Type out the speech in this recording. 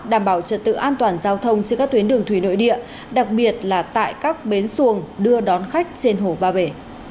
đảm bảo trật tự an toàn giao thông trên các tuyến đường thủy nội địa đặc biệt là tại các bến xuồng đưa đón khách trên hồ ba bể